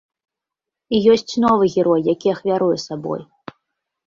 І ёсць новы герой, які ахвяруе сабой.